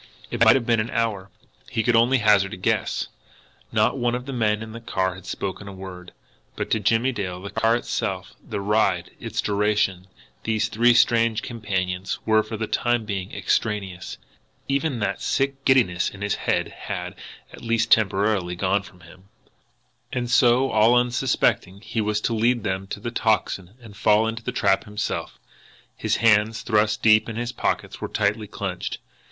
It might have been an hour he could only hazard a guess. Not one of the men in the car had spoken a word. But to Jimmie Dale, the car itself, the ride, its duration, these three strange companions, were for the time being extraneous. Even that sick giddiness in his head had, at least temporarily, gone from him. And so, all unsuspectingly, he was to lead them to the Tocsin and fall into the trap himself! His hands, thrust deep in his pockets, were tightly clenched.